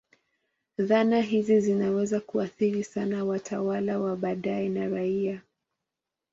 Dhana hizi zinaweza kuathiri sana watawala wa baadaye na raia.